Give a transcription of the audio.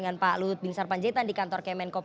dengan pak lut bin sarpanjaitan di kantor kemenkop